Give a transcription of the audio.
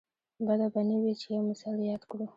بده به نه وي چې یو مثال یې یاد کړو.